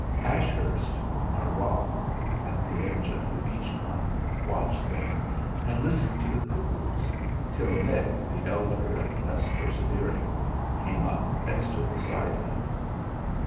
Ashurst, on a rock at the edge of the beech clump, watched them, and listened to the cuckoos, till Nick, the elder and less persevering, came up and stood beside him.